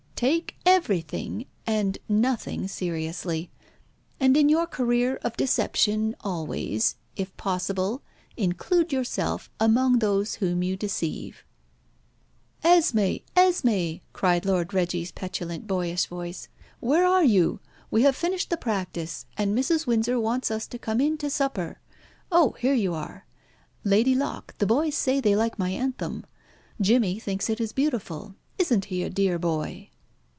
"Take everything and nothing seriously. And in your career of deception always, if possible, include yourself among those whom you deceive." "Esmé! Esmé!" cried Lord Reggie's petulant boyish voice. "Where are you? We have finished the practice, and Mrs. Windsor wants us to come in to supper. Oh! here you are. Lady Locke, the boys say they like my anthem. Jimmy thinks it is beautiful. Isn't he a dear boy?"